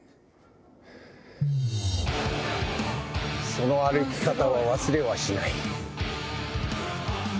その歩き方は忘れはしない。